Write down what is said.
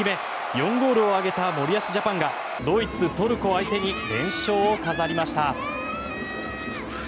４ゴールを挙げた森保ジャパンがドイツ、トルコ相手に連勝を飾りました。